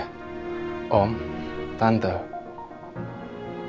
pengen ngejeblosin elsa ke penjara